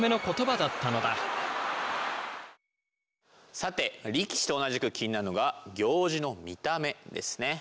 さて力士と同じく気になるのが行司の見た目ですね。